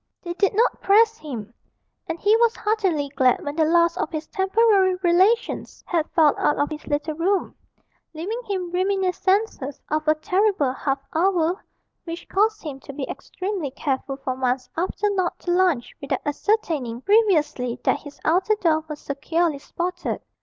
They did not press him, and he was heartily glad when the last of his temporary relations had filed out of his little room, leaving him reminiscences of a terrible half hour which caused him to be extremely careful for months after not to lunch without ascertaining previously that his outer door was securely sported.